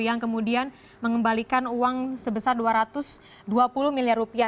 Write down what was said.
yang kemudian mengembalikan uang sebesar dua ratus dua puluh miliar rupiah